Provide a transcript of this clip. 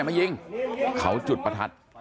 ไปเอาปืนที่ไหนมายิงเขาจุดประทัด